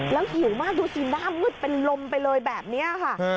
แล้วหิวมากดูสิหน้ามืดเป็นลมไปเลยแบบนี้ค่ะ